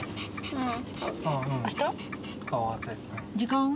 うん。